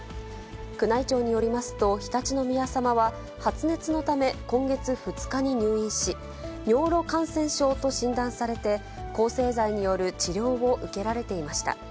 宮内庁によりますと、常陸宮さまは発熱のため、今月２日に入院し、尿路感染症と診断されて、抗生剤による治療を受けられていました。